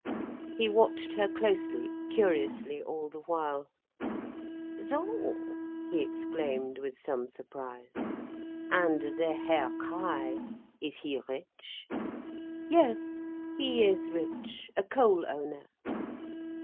He watched her closely, curiously all the while. "So!" he exclaimed, with some surprise. "And the Herr Crich, is he rich?" "Yes, he is rich, a coal owner."